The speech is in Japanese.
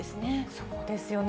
そうですよね。